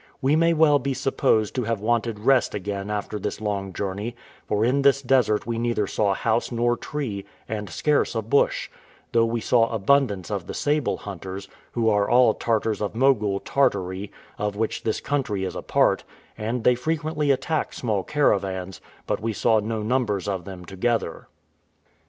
We may well be supposed to have wanted rest again after this long journey; for in this desert we neither saw house nor tree, and scarce a bush; though we saw abundance of the sable hunters, who are all Tartars of Mogul Tartary; of which this country is a part; and they frequently attack small caravans, but we saw no numbers of them together.